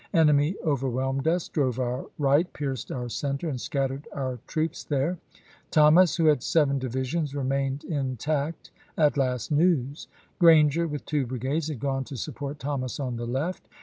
Enemy overwhelmed us, drove our right, pierced our center, and scattered our troops there. Thomas, who had seven divisions, remained intact, at last news. Granger, with two brigades, had gone to support Thomas on the left.